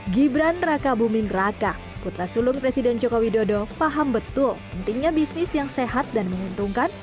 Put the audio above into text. gibran raka buming raka putra sulung presiden joko widodo paham betul pentingnya bisnis yang sehat dan menguntungkan